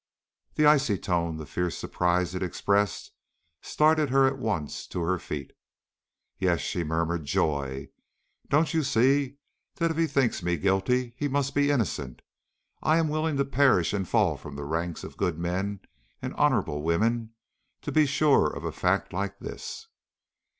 _" The icy tone, the fierce surprise it expressed, started her at once to her feet. "Yes," she murmured, "joy! Don't you see that if he thinks me guilty, he must be innocent? I am willing to perish and fall from the ranks of good men and honorable women to be sure of a fact like this!"